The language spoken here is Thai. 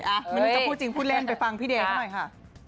ไม่รู้จะพูดจริงพูดเล่นไปฟังพี่เดย์เขาหน่อยค่ะ